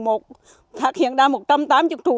hoặc hiện đang một trăm tám mươi thủ